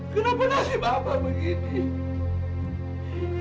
kenapa nasib saya seperti ini